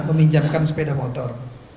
meminjamkan sepeda motor